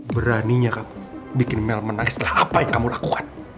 beraninya kamu bikin mel menang setelah apa yang kamu lakukan